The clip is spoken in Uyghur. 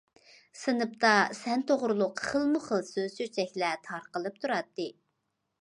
سىنىپتا سەن توغرۇلۇق خىلمۇخىل سۆز- چۆچەكلەر تارقىلىپ تۇراتتى.